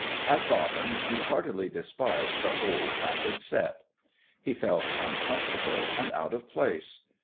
At bottom he heartily despised the whole vapid set. He felt uncomfortable and out of place.